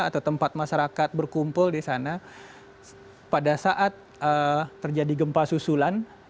atau tempat masyarakat berkumpul di sana pada saat terjadi gempa susulan